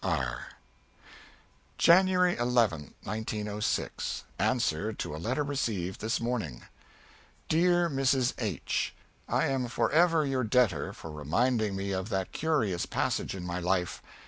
XXV. BY MARK TWAIN. January 11, 1906. Answer to a letter received this morning: DEAR MRS. H., I am forever your debtor for reminding me of that curious passage in my life.